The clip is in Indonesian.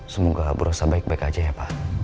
semoga berusaha baik baik aja ya pak